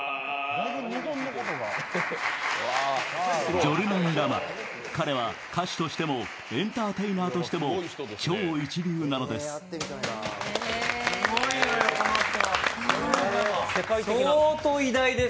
ジョルナン・ラマ、彼は歌手としてもエンターテイナーとしても超一流なのです。